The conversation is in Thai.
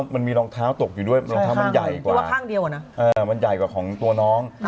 มันมีรองเท้าตกอยู่ด้วยรองเท้ามันใหญ่กว่าข้างเดียวมันใหญ่กว่าของตัวน้อง